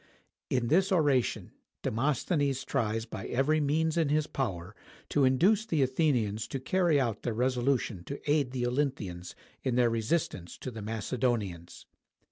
In this oration, Demosthenes tries by every means in his power to induce the Athenians to carry out their resolution to aid the Olynthians in their resistance to the Macedonians.